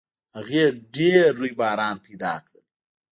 هغې ډېر رویباران پیدا کړل